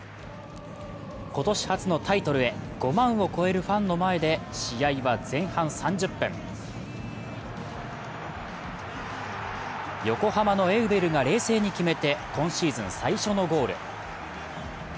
今年初のタイトルへ、５万を超えるファンの前で試合は前半３０分横浜のエウベルが冷静に決めて今シーズン最初のゴール。